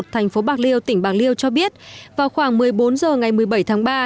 thành phố bạc liêu tỉnh bạc liêu cho biết vào khoảng một mươi bốn h ngày một mươi bảy tháng ba